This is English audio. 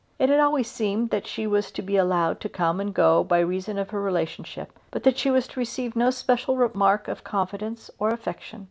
It had always seemed that she was to be allowed to come and go by reason of her relationship, but that she was to receive no special mark of confidence or affection.